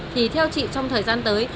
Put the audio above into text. thì theo chị trong thời gian tới